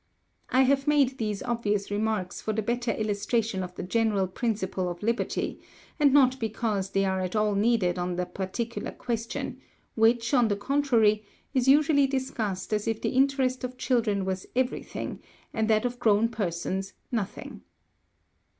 I have made these obvious remarks for the better illustration of the general principle of liberty, and not because they are at all needed on the particular question, which, on the contrary, is usually discussed as if the interest of children was everything, and that of grown persons nothing" (p.